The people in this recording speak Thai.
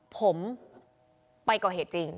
ผมไปก่อเหตุจริง